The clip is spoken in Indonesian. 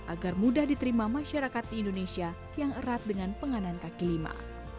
agar mudah diterima masyarakat di indonesia yang erat dengan penganan kaki lima